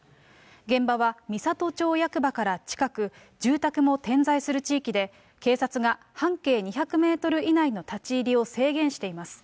現場は美郷町役場から近く、住宅も点在する地域で、警察が半径２００メートル以内の立ち入りを制限しています。